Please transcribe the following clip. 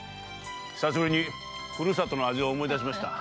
久しぶりに故郷の味を思い出しました。